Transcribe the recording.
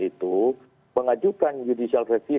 itu mengajukan judicial review